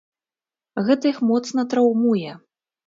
Гэта іх моцна траўмуе.